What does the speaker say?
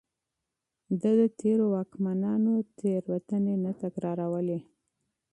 ده د تېرو واکمنانو تېروتنې نه تکرارولې.